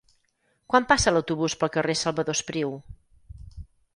Quan passa l'autobús pel carrer Salvador Espriu?